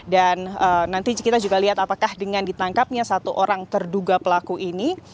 dan nanti kita juga lihat apakah dengan ditangkapnya satu orang terduga pelaku ini